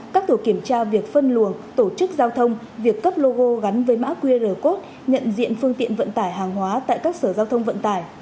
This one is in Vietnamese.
các tổ kiểm tra việc phân luồng tổ chức giao thông việc cấp logo gắn với mã qr code nhận diện phương tiện vận tải hàng hóa tại các sở giao thông vận tải